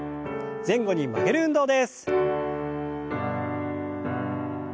前後に曲げる運動です。